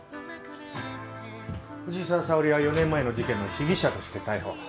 藤沢さおりは４年前の事件の被疑者として逮捕。